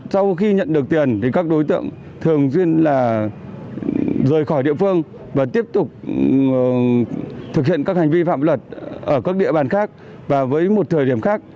sau khi nhận được tiền thì các đối tượng thường xuyên là rời khỏi địa phương và tiếp tục thực hiện các hành vi phạm luật ở các địa bàn khác và với một thời điểm khác